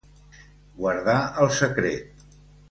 Guardar el secret.